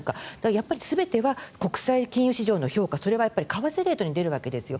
やっぱり全ては国際金融市場の評価、それは為替レートに出るわけですよ